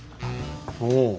おお！